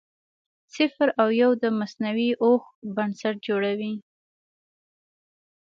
صفر او یو د مصنوعي هوښ بنسټ جوړوي.